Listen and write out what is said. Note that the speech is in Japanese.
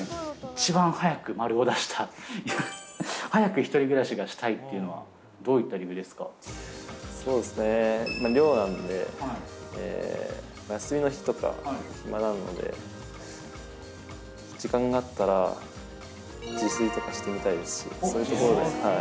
一番早く〇を出した、早く１人暮らしがしたいっていうのは、そうですね、寮なんで、休みの日とか暇なので、時間があったら、自炊とかしてみたいですし、そういうところで。